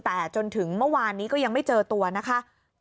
แต่จนถึงเมื่อวานนี้ก็ยังไม่เจอตัวนะคะ